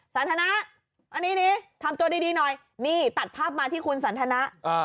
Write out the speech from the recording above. สันทนะอันนี้ดิทำตัวดีหน่อยนี่ตัดภาพมาที่คุณสันทนะ